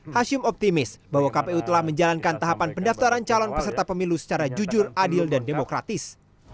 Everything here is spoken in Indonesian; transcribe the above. hashim optimis bahwa kpu telah menjalankan tahapan pendaftaran calon peserta pemilu secara jujur adil dan demokratis